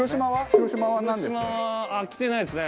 広島は来てないですね。